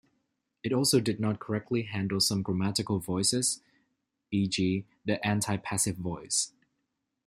It also did not correctly handle some grammatical voices, e.g., the antipassive voice.